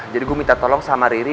jadi gue minta tolong sama riri